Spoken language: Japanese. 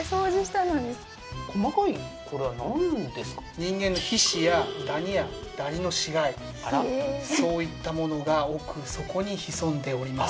人間の皮脂やダニやダニの死骸そういったものが奥底に潜んでおります。